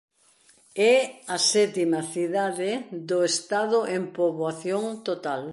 É a sétima cidade do Estado en poboación total.